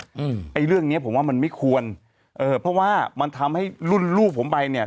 อืมไอ้เรื่องเนี้ยผมว่ามันไม่ควรเออเพราะว่ามันทำให้รุ่นลูกผมไปเนี้ย